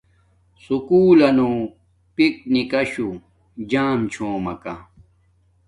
سکُول لنو پیک نکاشو جام چھومکا